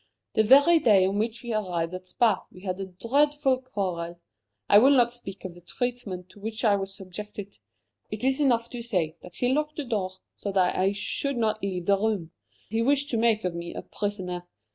The very day on which we arrived at Spa we had a dreadful quarrel. I will not speak of the treatment to which I was subjected; it is enough to say that he locked the door so that I should not leave the room he wished to make of me a prisoner.